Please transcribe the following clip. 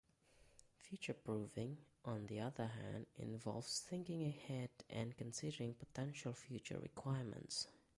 Future-proofing, on the other hand, involves thinking ahead and considering potential future requirements.